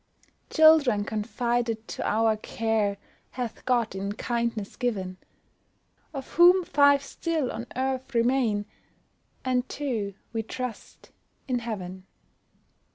Children confided to our care, Hath God in kindness given, Of whom five still on earth remain, And two, we trust, in heaven.